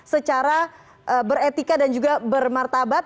secara beretika dan juga bermartabat